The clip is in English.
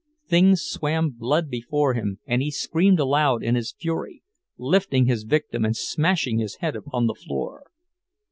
Things swam blood before him, and he screamed aloud in his fury, lifting his victim and smashing his head upon the floor.